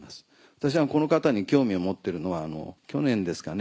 私がこの方に興味を持ってるのは去年ですかね